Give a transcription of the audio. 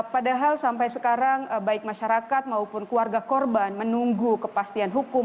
padahal sampai sekarang baik masyarakat maupun keluarga korban menunggu kepastian hukum